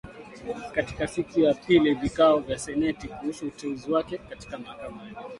Katika siku ya pili ya vikao vya seneti kuhusu uteuzi wake katika mahakama ya juu.